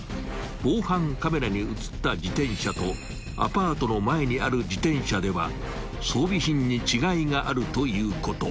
［防犯カメラに映った自転車とアパートの前にある自転車では装備品に違いがあるということ］